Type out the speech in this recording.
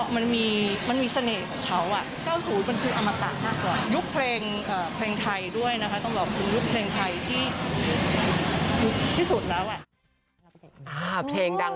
มันมีเสน่ห์ของเขา